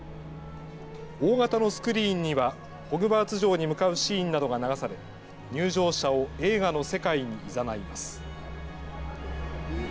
大型のスクリーンにはホグワーツ城に向かうシーンなどが流され、入場者を映画の世界にいざないます。